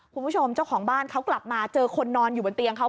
คุณผู้ชมเจ้าของบ้านเขากลับมาเจอคนนอนอยู่บนเตียงเขา